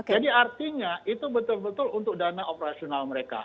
jadi artinya itu betul betul untuk dana operasional mereka